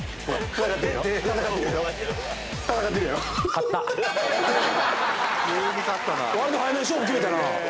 わりと早めに勝負決めたな。